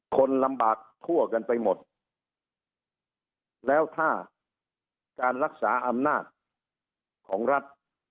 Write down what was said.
คนลำบากทั่วกันไปหมดแล้วถ้าการรักษาอำนาจของรัฐ